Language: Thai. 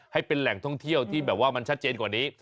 ให้เป็นแหล่งท่องเที่ยวที่แบบว่ามันชัดเจนกว่านี้